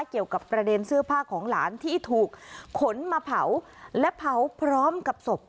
เกี่ยวกับประเด็นเสื้อผ้าของหลานที่ถูกขนมาเผาและเผาพร้อมกับศพ